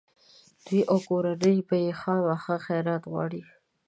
دوی او کورنۍ به یې خامخا خیرات غواړي.